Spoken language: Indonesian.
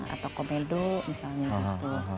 atau komedo misalnya gitu